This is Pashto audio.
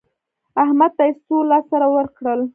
احمد ته يې څو لاس سره ورکړل؟